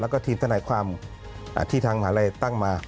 แล้วก็ทีมทนายความที่ทางมหาลัยตั้งมา